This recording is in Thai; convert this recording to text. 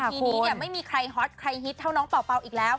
นาทีนี้ไม่มีใครฮอตใครฮิตเท่าน้องเป่าเป่าอีกแล้ว